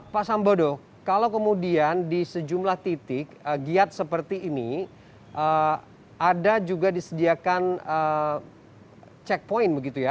pak sambodo kalau kemudian di sejumlah titik giat seperti ini ada juga disediakan checkpoint begitu ya